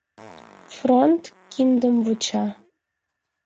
Фронт киндым вуча!